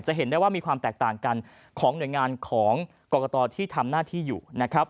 เห็นได้ว่ามีความแตกต่างกันของหน่วยงานของกรกตที่ทำหน้าที่อยู่นะครับ